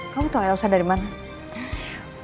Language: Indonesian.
kamu tahu elsa dari mana